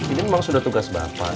ini memang sudah tugas bapak